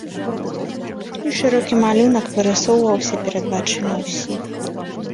І шырокі малюнак вырысоўваўся перад вачыма ўсіх.